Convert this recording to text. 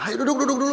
ayo duduk dulu